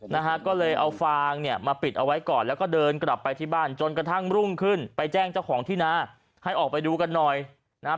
นะฮะก็เลยเอาฟางเนี่ยมาปิดเอาไว้ก่อนแล้วก็เดินกลับไปที่บ้านจนกระทั่งรุ่งขึ้นไปแจ้งเจ้าของที่นาให้ออกไปดูกันหน่อยนะครับ